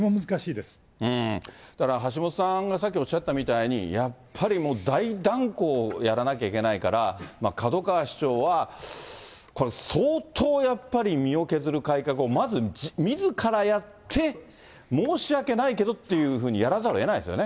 だから橋下さんがさっきおっしゃったみたいに、やっぱりもう大断行をやらなきゃいけないから、門川市長はこれ、相当やっぱり、身を削る改革を、まずみずからやって、申し訳ないけどっていうふうにやらざるをえないですよね。